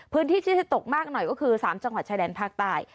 พื้นที่ที่จะตกมากหน่อยก็คือ๓จังหวัดชายแดนภาคใต้